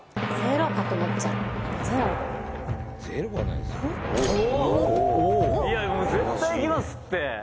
「いや絶対いきますって」